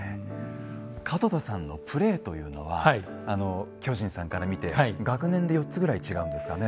門田さんのプレーというのは巨人さんから見て学年で４つぐらい違うんですかね。